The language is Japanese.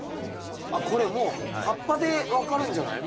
あっこれもう葉っぱで分かるんじゃない？